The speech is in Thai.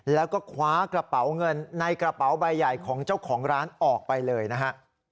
แล้วก็คว้ากระเป๋าเงินในกระเป๋าใบใหญ่ของเจ้าของร้านออกไปเลยนะฮะ